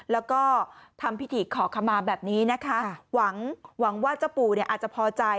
แล้วก็ทำพิธีขอขมาแบบนี้นะคะหวังหวังว่าเจ้าปู่เนี่ยอาจจะพอใจ